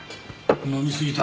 飲みすぎた。